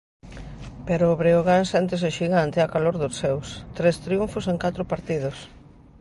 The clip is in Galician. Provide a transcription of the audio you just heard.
Pero o Breogán séntese xigante á calor dos seus: tres triunfos en catro partidos.